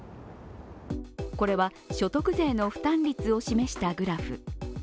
これは所得税の負担率を示したグラフ。